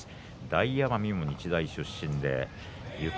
大奄美は日大出身です。